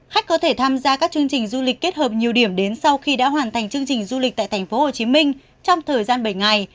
khách có thể tham gia các chương trình du lịch kết hợp nhiều điểm đến sau khi đã hoàn thành chương trình du lịch tại tp hcm trong thời gian bảy ngày